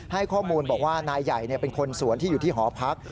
ให้ข้อมูลบอกว่านายใหญ่เป็นคนสวนที่อยู่ที่หอพัก